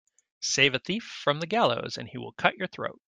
Save a thief from the gallows and he will cut your throat.